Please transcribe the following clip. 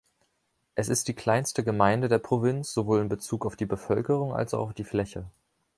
Es ist die kleinste Gemeinde der Provinz, sowohl in Bezug auf die Bevölkerung als auch auf die Fläche.